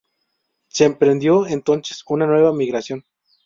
Se emprendió entonces una nueva migración.